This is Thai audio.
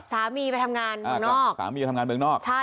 สามีไปทำงานเมืองนอกสามีไปทำงานเมืองนอกใช่